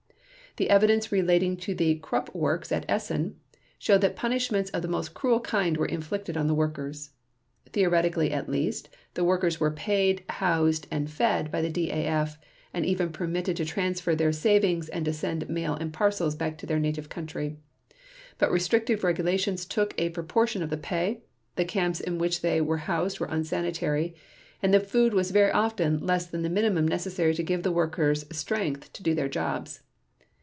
The evidence relating to the Krupp Works at Essen showed that punishments of the most cruel kind were inflicted on the workers. Theoretically at least the workers were paid, housed, and fed by the DAF, and even permitted to transfer their savings and to send mail and parcels back to their native country; but restrictive regulations took a proportion of the pay; the camps in which they were housed were unsanitary; and the food was very often less than the minimum necessary to give the workers strength to do their jobs.